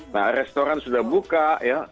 nah restoran sudah buka ya